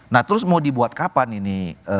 nah terus mau dibuat kapan ini